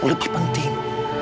jauh lebih penting